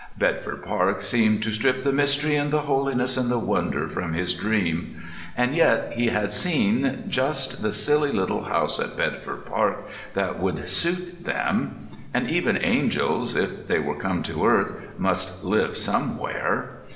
Bedford Park seemed to strip the mystery and the holiness and the wonder from his dream. And yet he had seen just the silly little house at Bedford Park that would suit them; and even angels, if they come to earth, must live somewhere.